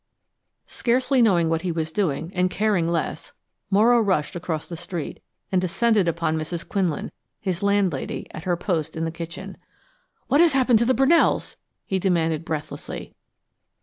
Scarcely knowing what he was doing, and caring less, Morrow rushed across the street, and descended upon Mrs. Quinlan, his landlady, at her post in the kitchen. "What's happened to the Brunells?" he demanded breathlessly.